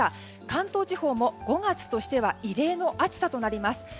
関東地方も５月としては異例の暑さとなります。